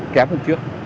kém hơn trước